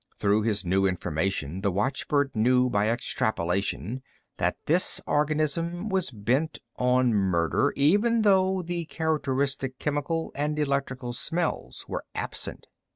_ Through his new information, the watchbird knew by extrapolation that this organism was bent on murder, even though the characteristic chemical and electrical smells were absent.